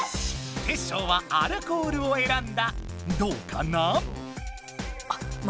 テッショウはアルコールをえらんだ。